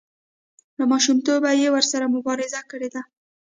له ماشومتوبه یې ورسره مبارزه کړې ده.